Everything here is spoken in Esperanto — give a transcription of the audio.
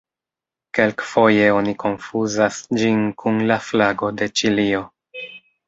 Kelkfoje oni konfuzas ĝin kun la flago de Ĉilio.